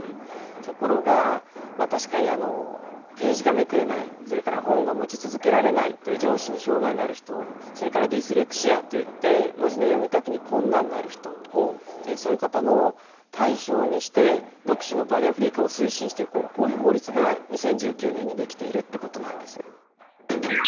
ところが確かにページがめくれないそれから本が持ち続けられないという上肢に障害のある人それからディスレクシアといって文字の読み書きに困難のある人そういう方も対象にして読書のバリアフリー化を推進していこうこういう法律が２０１９年にできているってことなんです。